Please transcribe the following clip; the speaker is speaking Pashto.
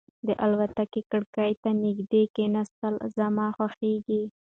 د الوتکې کړکۍ ته نږدې کېناستل زما خوښېږي.